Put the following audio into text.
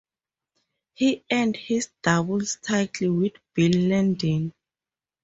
He earned his doubles title with Bill Landin.